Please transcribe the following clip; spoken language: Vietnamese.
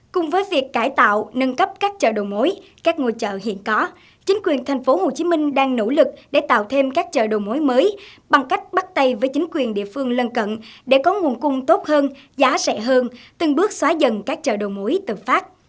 cùng với việc cải tạo nâng cấp các chợ đồ mối các ngôi chợ hiện có chính quyền thành phố hồ chí minh đang nỗ lực để tạo thêm các chợ đồ mối mới bằng cách bắt tay với chính quyền địa phương lân cận để có nguồn cung tốt hơn giá rẻ hơn từng bước xóa dần các chợ đồ mối từng phát